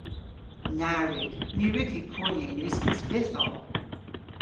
Na wrug. Ny wrug vy ponya yn uskis vytholl.